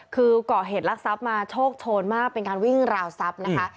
คือก่อเหตุลักษัพมาโชคโชนมากเป็นการวิ่งราวทรัพย์นะคะ